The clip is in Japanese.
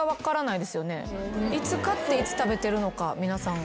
いつ買っていつ食べてるのか皆さんが。